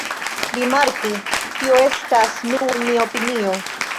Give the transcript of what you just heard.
Rimarku: tio estas nur mia opinio.